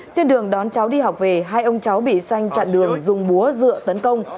trên đường đón cháu đi học về hai ông cháu bị xanh chặn đường dùng búa dựa tấn công